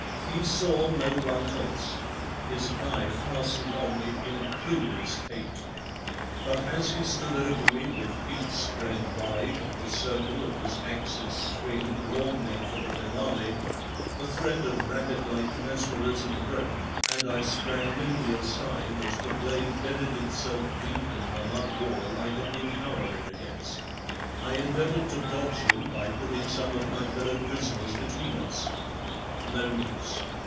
He saw no one else. His eye fastened on me in crudest hate. But as he stood over me with feet spread wide and the circle of his axe's swing broadening for the finale, the thread of rabbit like mesmerism broke and I sprang nimbly aside as the blade buried itself deep in the mud wall I had been cowering against. I endeavoured to dodge him by putting some of my fellow prisoners between us. No use.